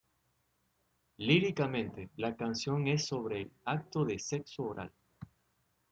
Líricamente, la canción es sobre el acto de sexo oral.